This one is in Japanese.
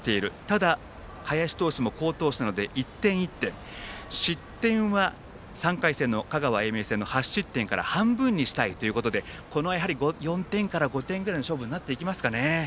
ただ、林投手も好投手なので１点１点失点は３回戦の香川・英明戦の８失点の半分にしたいということで４点から５点ぐらいの勝負になっていくでしょうかね。